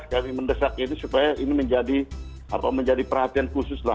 kami mendesak ini supaya ini menjadi perhatian khusus